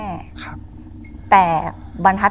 เอาดอกมะ